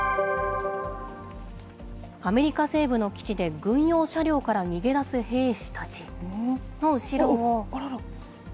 アメリカ西部の基地で、軍用車両から逃げ出す兵士たち。